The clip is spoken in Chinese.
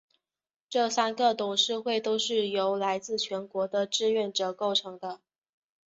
这三个董事会都是由来自全国的志愿者构成的。